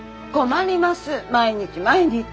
困ります毎日毎日。